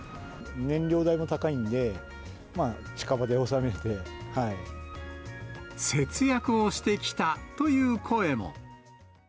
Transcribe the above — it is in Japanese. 燃料代も高いので、近場で収節約をしてきたという声も。